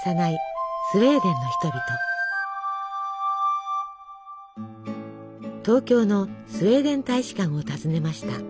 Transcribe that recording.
東京のスウェーデン大使館を訪ねました。